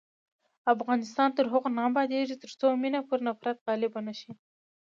افغانستان تر هغو نه ابادیږي، ترڅو مینه پر نفرت غالبه نشي.